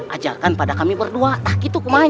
ajarkan pada kami berdua tah gitu kumain